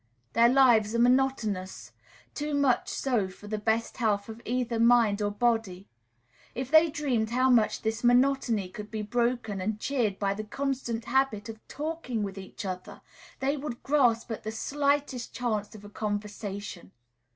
Their lives are monotonous, too much so for the best health of either mind or body. If they dreamed how much this monotony could be broken and cheered by the constant habit of talking with each other, they would grasp at the slightest chance of a conversation.